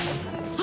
あ！